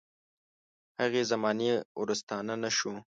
هغې زمانې ورستانه نه شو.